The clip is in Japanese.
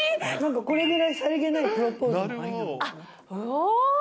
これぐらいさりげないプロポあっ、おー。